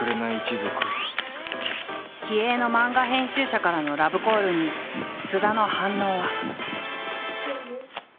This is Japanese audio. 気鋭の漫画編集者からのラブコールに菅田の反応は。